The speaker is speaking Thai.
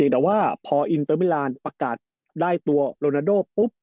แต่ว่าพออินเตอร์มิลานประกาศได้ตัวโรนาโดปุ๊บ